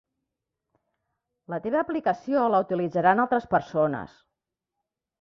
La teva aplicació la utilitzaran altres persones.